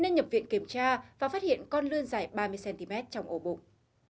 nên nhập viện kiểm tra và phát hiện con lươn dài ba mươi cm trong ổ bụng